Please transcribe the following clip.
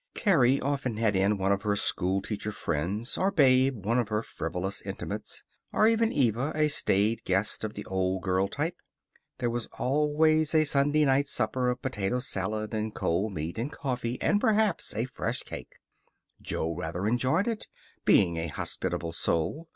Carrie often had in one of her schoolteacher friends, or Babe one of her frivolous intimates, or even Eva a staid guest of the old girl type. There was always a Sunday night supper of potato salad, and cold meat, and coffee, and perhaps a fresh cake. Jo rather enjoyed it, being a hospitable soul.